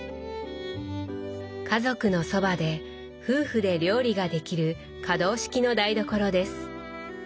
家族のそばで夫婦で料理ができる可動式の台所です。